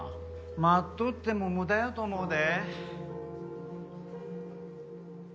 待っとっても無駄やと思うで。